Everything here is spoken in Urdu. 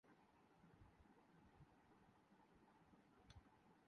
دوسرے پاکستانی علاقوں میں بڑی تعداد میں لیپرڈ موجود ہیں